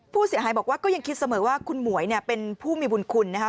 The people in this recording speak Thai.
ผู้เสียหายบอกว่าก็ยังคิดเสมอว่าคุณหมวยเนี่ยเป็นผู้มีบุญคุณนะคะ